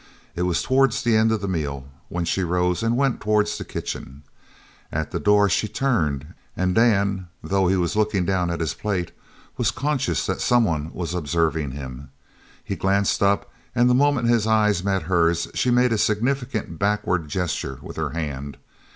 It was towards the end of the meal when she rose and went towards the kitchen. At the door she turned, and Dan, though he was looking down at his plate, was conscious that someone was observing him. He glanced up and the moment his eyes met hers she made a significant backward gesture with her hand.